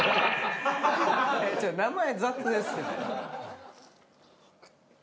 名前雑ですね。